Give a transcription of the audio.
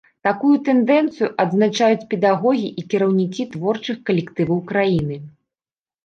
Такую тэндэнцыю адзначаюць педагогі і кіраўнікі творчых калектываў краіны.